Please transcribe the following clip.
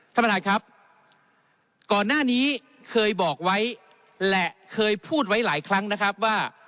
ท่านประธานครับก่อนหน้านี้เคยบอกไว้และเคยพูดไว้หลายครั้งนะครับว่า